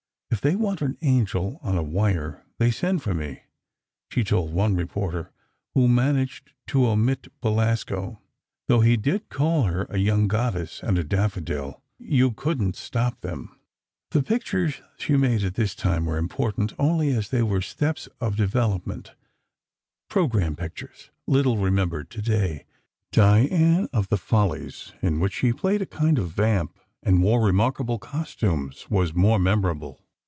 "If they want an angel on a wire, they send for me," she told one reporter, who managed to omit Belasco, though he did call her "a young goddess" and a "daffodil." You couldn't stop them. The pictures she made at this time were important only as they were steps of development—program pictures, little remembered today. "Diane of the Follies," in which she played a kind of vamp and wore remarkable costumes, was more memorable.